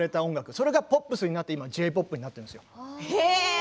それがポップになって今のＪ−ＰＯＰになってるんですよ。